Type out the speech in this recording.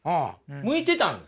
向いてたんです。